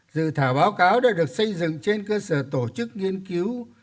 dự thảo báo cáo đã được xây dựng trên cơ sở tổ chức nghiên cứu